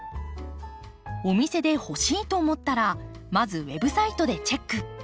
お店で欲しいと思ったらまずウェブサイトでチェック。